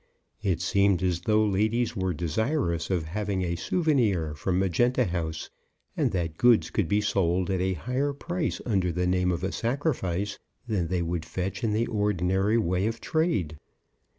It seemed as though ladies were desirous of having a souvenir from Magenta House, and that goods could be sold at a higher price under the name of a sacrifice than they would fetch in the ordinary way of trade.